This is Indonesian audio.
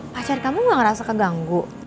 pacar kamu gak ngerasa keganggu